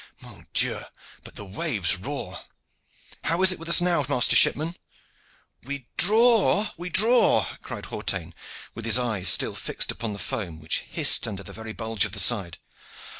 Mon Dieu, but the waves roar! How is it with us now, master shipman?" "We draw! We draw!" cried Hawtayne, with his eyes still fixed upon the foam which hissed under the very bulge of the side.